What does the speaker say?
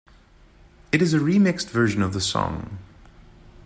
It is a remixed version of the song.